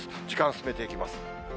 時間進めていきます。